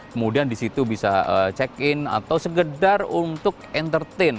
kemudian di situ bisa check in atau sekedar untuk entertain